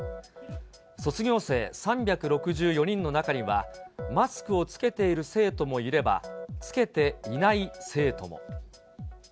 卒業生３６４人の中には、マスクを着けている生徒もいれば、着けていない生徒も。